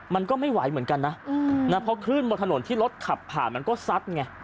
มันก็ไม่ไหวเหมือนกันนะเพราะคลื่นบนถนนที่รถขับผ่านมันก็ซัดไง